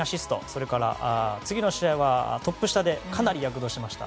そして次の試合はトップ下でかなり躍動しました。